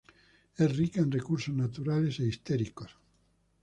Es rica en recursos naturales e históricos.